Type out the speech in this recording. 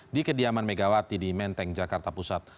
di kediaman megawati di menteng jakarta pusat